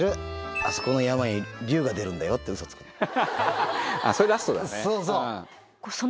あそこの山に龍が出るんだよってうそつくの。